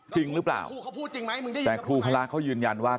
จริงหรือเปล่าแต่ครูพระเขายืนยันว่า